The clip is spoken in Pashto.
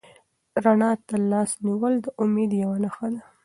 رڼا ته لاس نیول د امید یوه نښه ده.